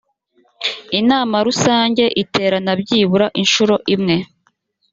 inama rusange iterana byibura inshuro imwe